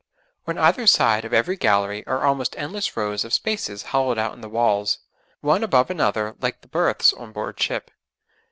On either side of every gallery are almost endless rows of spaces hollowed out in the walls, one above another like the berths on board ship.